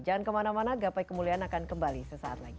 jangan kemana mana gapai kemuliaan akan kembali sesaat lagi